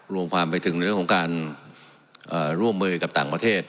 รวมความไปถึงในเรื่องของการร่วมมือกับต่างประเทศ